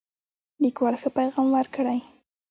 لیکوال ښه پیغام ورکړی.